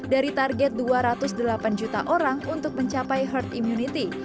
dari target dua ratus delapan juta orang untuk mencapai herd immunity